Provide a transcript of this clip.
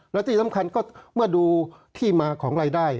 และที่สำคัญก็เมื่อดูที่มาของรายได้